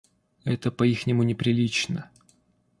Это по ихнему неприлично.